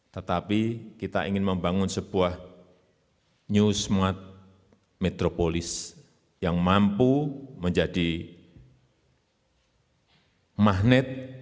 tetapi kita ingin membangun sebuah new smart metropolis yang mampu menjadi magnet